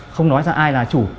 không nói ra ai là chủ